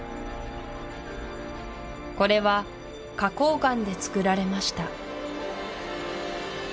これは花崗岩でつくられました